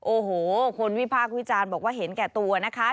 โอ้โหคนวิพากษ์วิจารณ์บอกว่าเห็นแก่ตัวนะคะ